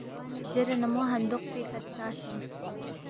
زیرے نہ مو ہندوق پیکھہ ہلتا سونگس